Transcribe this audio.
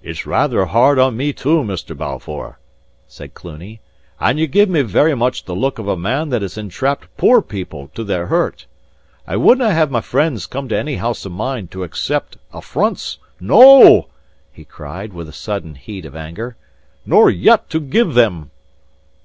"It's rather hard on me, too, Mr. Balfour," said Cluny, "and ye give me very much the look of a man that has entrapped poor people to their hurt. I wouldnae have my friends come to any house of mine to accept affronts; no," he cried, with a sudden heat of anger, "nor yet to give them!"